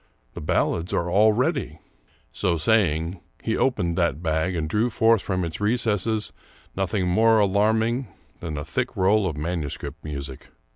The ballads are all ready !" So saying, he opened that bag and drew forth from its recesses nothing more alarming than a thick roll of manu script music.